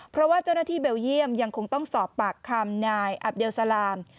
เพราะว่าเจ้าหน้าที่เบลเยี่ยมยังคงต้องสอบปากคำนายอับเลสลาม